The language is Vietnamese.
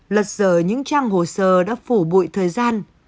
lật dở những trang hồ sơ đã phủ bụi thời gian